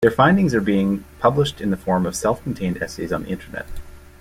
Their findings are being published in the form of self-contained essays on the internet.